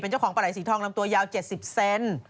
เจ้าของปลาไหลสีทองลำตัวยาว๗๐เซน